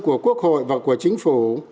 của quốc hội và của chính phủ